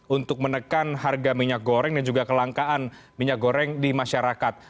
untuk menekan harga minyak goreng dan juga kelangkaan minyak goreng di masyarakat